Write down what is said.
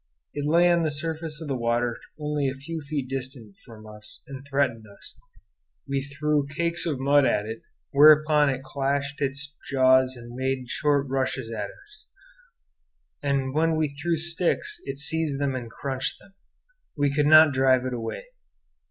It lay on the surface of the water only a few feet distant from us and threatened us; we threw cakes of mud at it, whereupon it clashed its jaws and made short rushes at us, and when we threw sticks it seized them and crunched them. We could not drive it away.